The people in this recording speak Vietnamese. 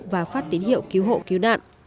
và phát tín hiệu cứu hộ cứu nạn